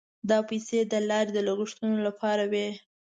دا پیسې د لارې د لګښتونو لپاره وې.